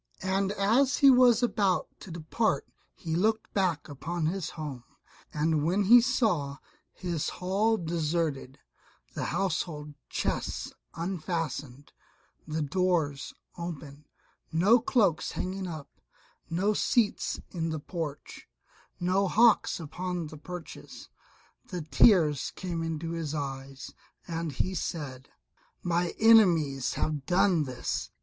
And as he was about to depart he looked back upon his own home, and when he saw his hall deserted, the household chests unfastened, the doors open, no cloaks hanging up, no seats in the porch, no hawks upon the perches, the tears came into his eyes, and he said, "My enemies have done this.